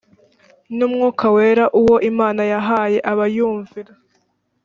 n umwuka wera uwo imana yahaye abayumvira